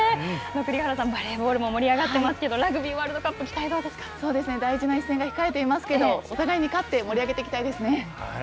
栗原さん、バレーボールも盛り上がってますけど、ラグビーワールドカップ大事な一戦が控えていますけど、お互いに勝って、盛り上げていきたいですね。